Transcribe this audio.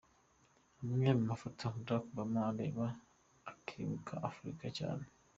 Amwe mu mafoto Balack Obama areba akibuka afurika cyane.